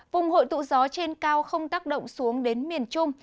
vùng hội tụ gió trên cao không tác động xuống đến miền trung